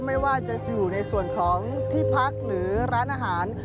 ไม่ว่าจะอยู่ในส่วนของที่พักหรือร้านอาหาร